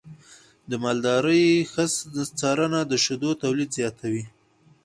د مالدارۍ ښه څارنه د شیدو تولید زیاتوي.